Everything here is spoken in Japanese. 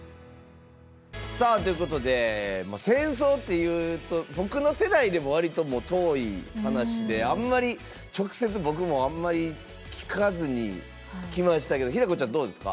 さあということで戦争っていうと僕の世代でもわりと遠い話であんまり直接僕もあんまり聞かずにきましたけど日奈子ちゃんどうですか。